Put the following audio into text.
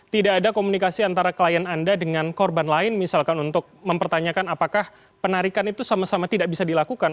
tidak ada komunikasi antara klien anda dengan korban lain misalkan untuk mempertanyakan apakah penarikan itu sama sama tidak bisa dilakukan